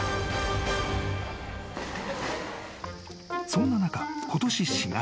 ［そんな中ことし４月］